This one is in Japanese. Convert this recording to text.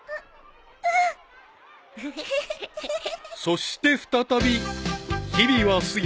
［そして再び日々は過ぎ］